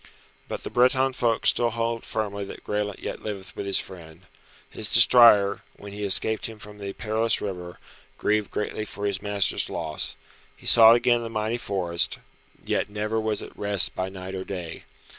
But the Breton folk still hold firmly that Graelent yet liveth with his friend. His destrier, when he escaped him from the perilous river, grieved greatly for his master's loss. He sought again the mighty forest, yet never was at rest by night or day.